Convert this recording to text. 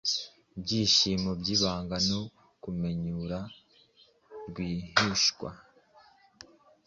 Ibyishimo byibanga no kumwenyura rwihishwa,